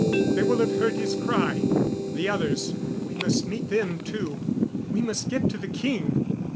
"They will have heard his cry. The others we must meet them, too." "We must get to the king.